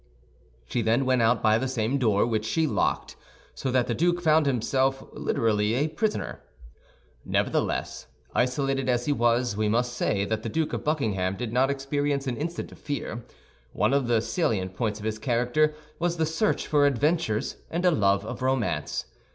She then went out by the same door, which she locked, so that the duke found himself literally a prisoner. Nevertheless, isolated as he was, we must say that the Duke of Buckingham did not experience an instant of fear. One of the salient points of his character was the search for adventures and a love of romance.